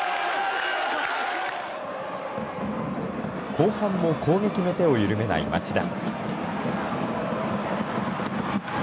後半も攻撃の手を緩めない町田。